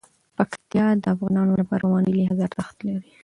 پکتیا د افغانانو لپاره په معنوي لحاظ ارزښت لري.